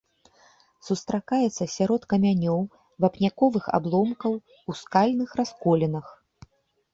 Сустракаецца сярод камянёў, вапняковых абломкаў, у скальных расколінах.